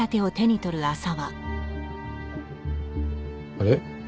あれ？